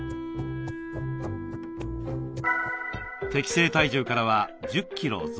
適正体重からは１０キロ増。